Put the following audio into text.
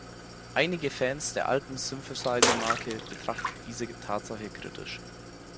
Einige Fans der alten Synthesizer-Marke betrachteten diese Tatsache kritisch.